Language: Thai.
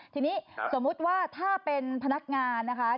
ทีนี้สมมุติว่าถ้าเป็นพนักงานนะคะ